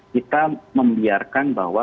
kita membiarkan bahwa